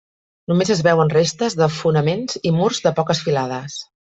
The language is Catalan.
Només es veuen restes de fonaments i murs de poques filades.